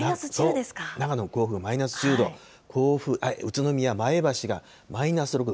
長野、甲府がマイナス１０度、甲府、宇都宮、前橋がマイナス６度。